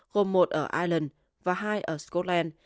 gồm một ở ireland và hai ở scotland